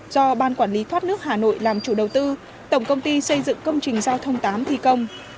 do ban quản lý thoát nước hà nội làm chủ đầu tư tổng công ty xây dựng công trình giao thông tám thi công